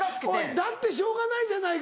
「だってしょうがないじゃないか」。